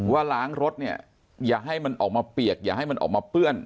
ว่าล้างรถเนี่ยอย่าให้มันออกมาเปียกอย่าให้มันออกมาเปื้อน